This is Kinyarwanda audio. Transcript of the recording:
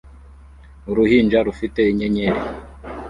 Uruhinja rufite inyenyeri